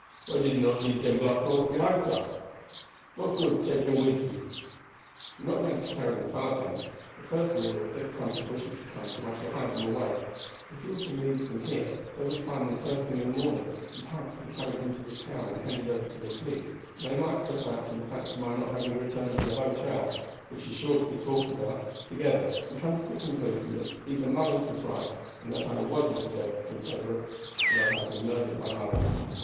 "Why you not leave dem black clothes behind, sah? What good take dem wid you?" "I am not going to carry them far, Dan. The first wood or thick clump of bushes we come to I shall hide them away; but if you were to leave them here they would be found the first thing in the morning, and perhaps be carried into the town and handed over to the police, and they might put that and the fact of my not having returned to the hotel which is sure to be talked about together, and come to the conclusion that either Mullens was right and that I was an escaped Confederate, or that I had been murdered by Mullens.